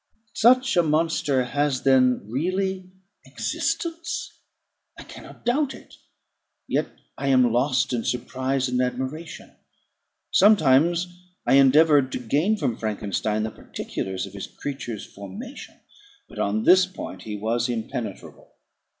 Such a monster has then really existence! I cannot doubt it; yet I am lost in surprise and admiration. Sometimes I endeavoured to gain from Frankenstein the particulars of his creature's formation: but on this point he was impenetrable.